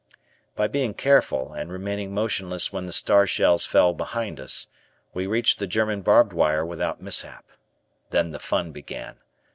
By being careful and remaining motionless when the star shells fell behind us, we reached the German barbed wire without mishap. Then the fun began.